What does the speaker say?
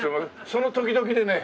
その時々でね